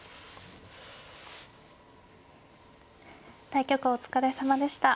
対局お疲れさまでした。